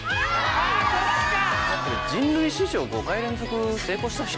そっちか！